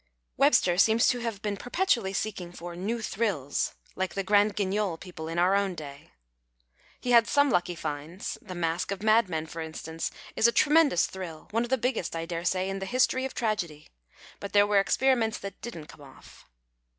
Webster seems to have been perpetually seeking for " new thrills "— like the Grand (iuigmil peopK in our own day. He 179 N2 PASTICHE AND PREJUDICE had some lucky finds. Tlic masque of madmen, lor instance, is a tremendous thrill, one of the biggest, I daresay, in the history of tragedy. But there were exjuriments that didnt eonie off.